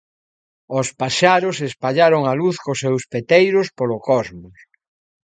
Os paxaros espallaron a luz cos seus peteiros polo cosmos.